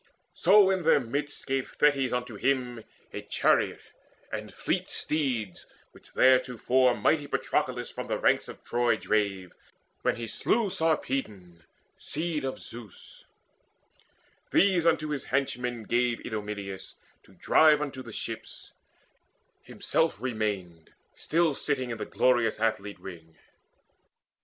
So in their midst gave Thetis unto him A chariot and fleet steeds, which theretofore Mighty Patroclus from the ranks of Troy Drave, when he slew Sarpedon, seed of Zeus, These to his henchmen gave Idomeneus To drive unto the ships: himself remained Still sitting in the glorious athlete ring.